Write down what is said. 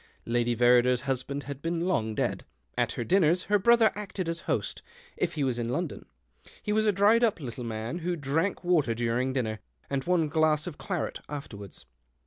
Lady Verrider's husband had been long dead. At her dinners her brother acted as host, if he was in London. He was a dried up little man, who drank water during dinner, and one glass of claret afterwards.